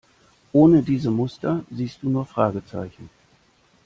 Ohne diese Muster siehst du nur Fragezeichen.